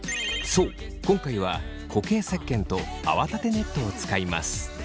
そう今回は固形せっけんと泡立てネットを使います。